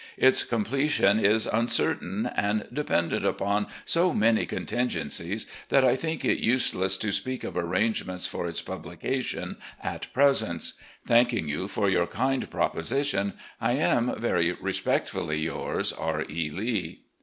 Its completion is imcertain, and dependent upon so many contingencies that I think it useless to 222 RECOLLECTIONS OP GENERAL LEE speak of arrangements for its publication at present. Thanking you for your kind proposition, I am, "Very respectfully yours, "R. E. Lee."